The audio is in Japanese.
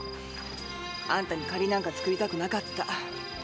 あんたに借りなんか作りたくなかった。